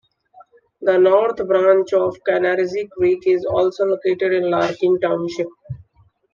The north branch of the Kanaranzi Creek is also located in Larkin Township.